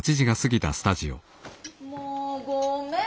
もうごめん。